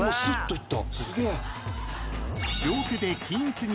いった！